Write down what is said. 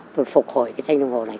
tôi phục hồi cái tranh đồng hồ này